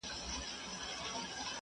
خپل یې کلی او دېره، خپله حجره وه.